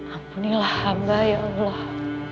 ampunilah hamba ya allah